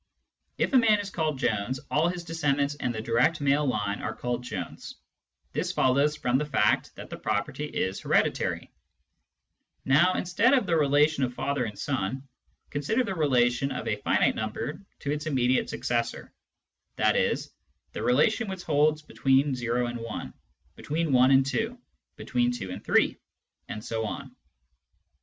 If a man is called Jones, all his de scendants in the direct male line are called Jones ; this follows from the fact that the property is hereditary. Now, instead of the relation of father and son, consider the relation of a finite number to its immediate successor^ that is, the relation which holds between oand i, between Digitized by Google 196 SCIENTIFIC METHOD IN PHILOSOPHY I and 2, between 2 and 3, and so on.